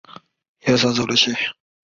肌束膜。